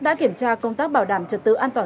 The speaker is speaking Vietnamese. đã kiểm tra công tác bảo đảm trật tự an toàn